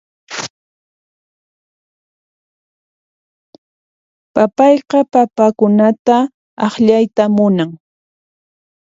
Papayqa papakunata akllayta munan.